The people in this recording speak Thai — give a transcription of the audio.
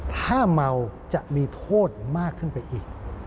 ถ้าเมาจะมีโทษมากขึ้นไปอีก